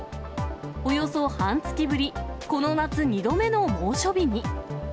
およそ半月ぶり、この夏２度目の猛暑日に。